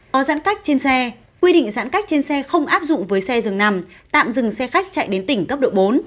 có giãn cách trên xe quy định giãn cách trên xe không áp dụng với xe dường nằm tạm dừng xe khách chạy đến tỉnh cấp độ bốn